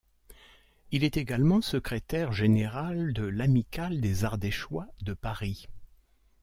Il est également secrétaire général de l'amicale des Ardéchois de Paris.